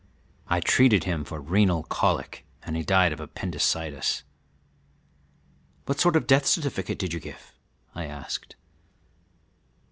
I treated him for renal colic and he died of appendicitis." "What sort of a death certificate did you give?" I asked.